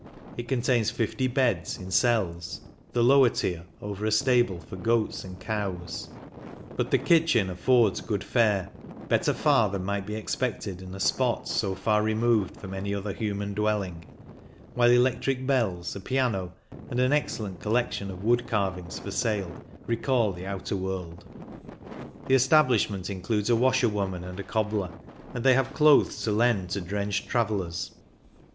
It contains 50 beds, in cells, the lower tier over a stable for goats and cows ; but the I THE GRIMSEL 135 kitchen affords good fare, better far than might be expected in a spot so far removed from any other human dwelling, while electric bells, a piano, and an excellent col lection of wood carvings for sale recall the outer world. The establishment includes a washerwoman and a cobbler, and they have clothes to lend to drenched travellers.